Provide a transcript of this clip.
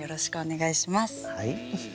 はい。